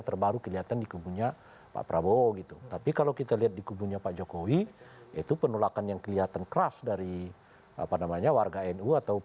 jelang penutupan pendaftaran